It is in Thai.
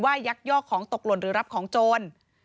ยักยอกของตกหล่นหรือรับของโจร